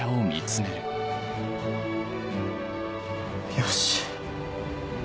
よし！